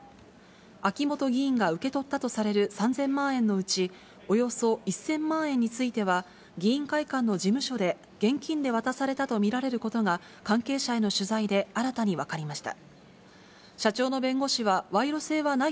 秋本議員が受け取ったとされる３０００万円のうち、およそ１０００万円については、議員会館の事務所で現金で渡されたと見られることが、関係者への取材で新たに分かりました。